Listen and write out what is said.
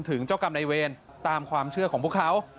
ถึงเจ้ากรรมในเวรตามความเชื่อของพวกเขา